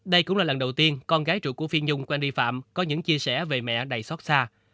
đây cũng là lần đầu tiên con gái trụ của phi nhung quang ri phạm có những chia sẻ về mẹ đầy xót xa